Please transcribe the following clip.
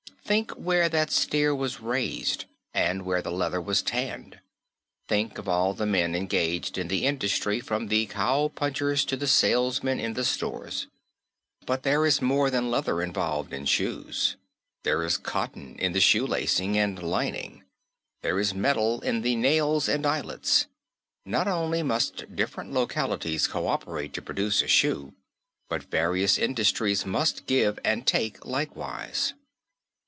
Think where that steer was raised, and where the leather was tanned. Think of all the men engaged in the industry from the cow punchers to the salesmen in the stores. But there is more than leather involved in shoes. There is cotton in the shoe lacing and lining. There is metal in the nails and eyelets. Not only must different localities coöperate to produce a shoe; but various industries must give and take likewise.